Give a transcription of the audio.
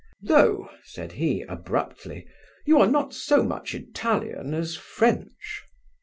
"Though," said he, abruptly, "you are not so much Italian as French."